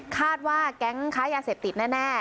คาดว่าแก๊งค้ายาเสพติดแน่